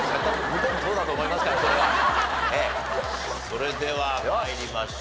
それでは参りましょう。